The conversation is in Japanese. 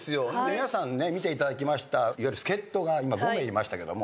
皆さんね見ていただきました助っ人が今５名いましたけども。